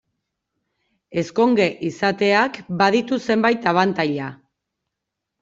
Ezkonge izateak baditu zenbait abantaila.